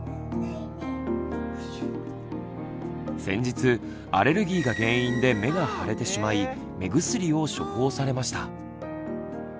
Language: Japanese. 先日アレルギーが原因で目が腫れてしまい目薬を処方されました。